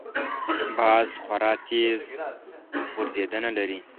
باز خورا تېز غورځېدنه لري